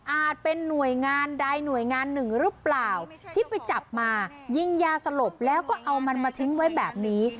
เป็นหน่วยงานใดหน่วยงานหนึ่งหรือเปล่าที่ไปจับมายิงยาสลบแล้วก็เอามันมาทิ้งไว้แบบนี้